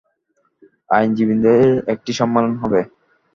আইনজীবীদের একটি সম্মেলন হবে।